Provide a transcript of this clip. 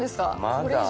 これ以上。